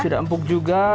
sudah empuk juga